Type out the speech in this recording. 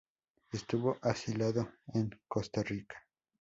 Estuvo asilado en Costa Rica.